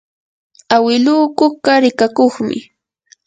awiluu kuka rikakuqmi.